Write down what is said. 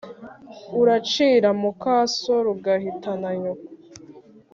Urucira muka So rugahitana Nyoko.